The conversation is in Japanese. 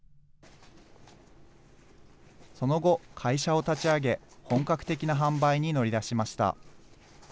その後、会社を立ち上げ、本格的な販売に乗り出しました。